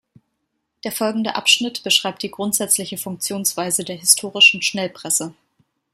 Der folgende Abschnitt beschreibt die grundsätzliche Funktionsweise der historischen Schnellpresse.